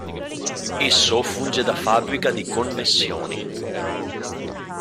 Esso funge da fabbrica di connessioni.